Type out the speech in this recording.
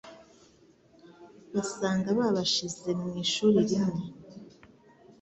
basanga babashize mu ishuri rimwe,